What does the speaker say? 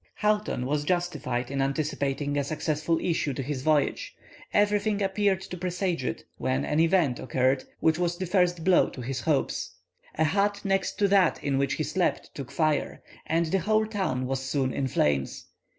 Houghton was justified in anticipating a successful issue to his voyage; everything appeared to presage it, when an event occurred which was the first blow to his hopes. A hut next that in which he slept took fire, and the whole town was soon in flames.